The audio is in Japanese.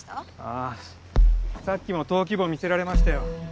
あさっきも登記簿見せられましたよ。